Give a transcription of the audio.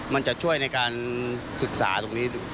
มันจะช่วยในการศึกษาตรงนี้ดู